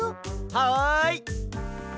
はい！